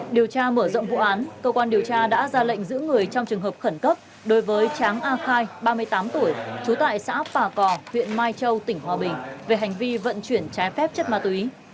điều tra mở rộng vụ án cơ quan điều tra đã ra lệnh giữ người trong trường hợp khẩn cấp đối với tráng a khai ba mươi tám tuổi trú tại xã phà cò huyện mai châu tỉnh hòa bình về hành vi vận chuyển trái phép chất ma túy